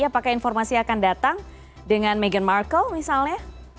apakah informasi akan datang dengan meghan markle misalnya